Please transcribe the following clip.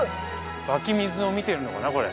湧き水を見てるのかなこれ。